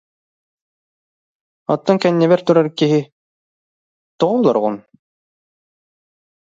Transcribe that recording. Оттон кэннибэр турар «киһи»: «Тоҕо олороҕун